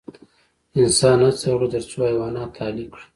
انسان هڅه وکړه تر څو حیوانات اهلي کړي.